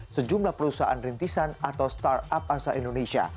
sejumlah perusahaan rintisan atau startup asal indonesia